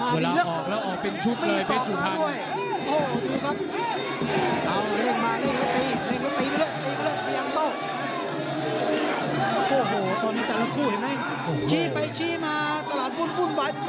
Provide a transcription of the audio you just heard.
เวลาออกแล้วออกเป็นชุดเลยเพชรสุพันธุ์